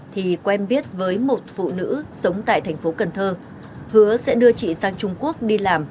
thì quen biết với một phụ nữ sống tại thành phố cần thơ hứa sẽ đưa chị sang trung quốc đi làm